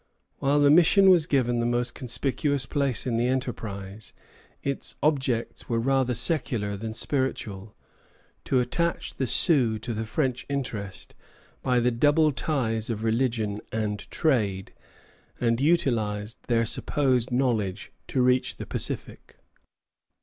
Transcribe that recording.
While the mission was given the most conspicuous place in the enterprise, its objects were rather secular than spiritual, to attach the Sioux to the French interest by the double ties of religion and trade, and utilize their supposed knowledge to reach the Pacific.